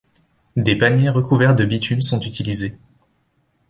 Des paniers recouverts de bitume sont utilisés.